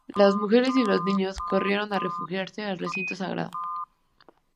Las mujeres y los niños corrieron a refugiarse al recinto sagrado.